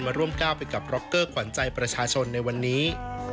ร่วมก้าวไปกับร็อกเกอร์ขวัญใจประชาชนในวันนี้